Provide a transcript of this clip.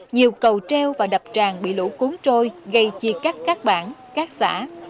nhiều cầu treo và đập tràn bị lũ cuốn trôi gây chi cắt các bảng các xã